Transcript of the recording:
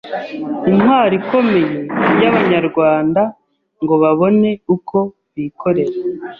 intwaro ikomeye y‘Abanyarwanda ngo babone uko bikorera